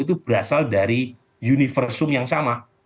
itu berasal dari universum yang sama